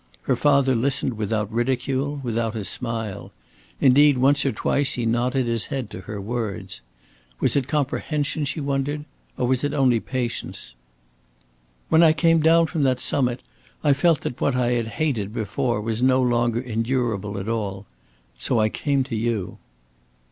Her father listened without ridicule, without a smile. Indeed, once or twice he nodded his head to her words. Was it comprehension, she wondered, or was it only patience? "When I came down from that summit, I felt that what I had hated before was no longer endurable at all. So I came to you."